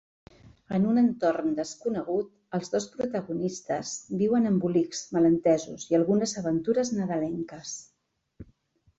En un entorn desconegut, els dos protagonistes viuen embolics, malentesos i algunes aventures nadalenques.